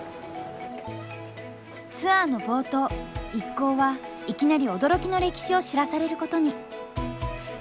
ツアーの冒頭一行はいきなり驚きの歴史を知らされることに。